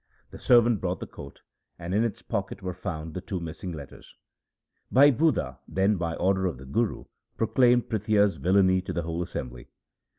The servant brought the coat, and in its pocket were found the two missing letters ! Bhai Budha then by order of the Guru proclaimed Prithia's villainy to the whole assembly.